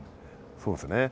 そうですね。